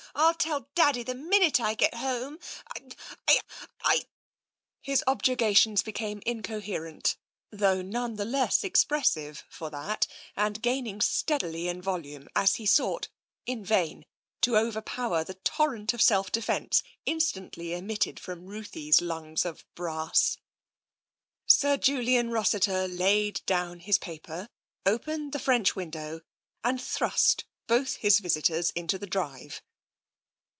... I'll tell Daddy the minute I get home. ... I ... I ..." 4 TENSION His objurgations became incoherent, through none the less expressive for that, and gaining steadily in volume as he sought, in vain, to overpower the torrent of self defence instantly emitted from Ruthie's lungs of brass. Sir Julian Rossiter laid down his paper, opened the French window, and thrust both his visitors into the drive.